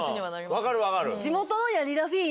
分かる分かる。